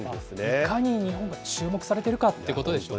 いかに日本が注目されているかっていうことでしょうね。